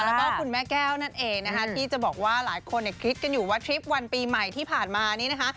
แล้วก็คุณแม่แก้วนั่นเองนะคะที่จะบอกว่าหลายคนคิดกันอยู่ว่าทริปวันปีใหม่ที่ผ่านมานี้นะคะ